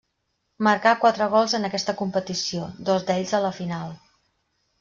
Marcà quatre gols en aquesta competició, dos d'ells a la final.